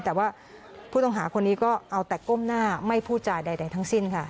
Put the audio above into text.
แต่ว่าผู้ต้องหาคนนี้ก็เอาแต่ก้มหน้าไม่พูดจาใดทั้งสิ้นค่ะ